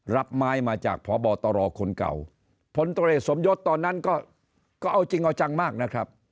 รับไม้มาจากพบตรคนเก่าผลตรวจเอกสมยศตอนนั้นก็เอาจริงเอาจังมากนะครับ